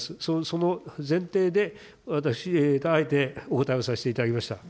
その前提で、私があえてお答えをさせていただきました。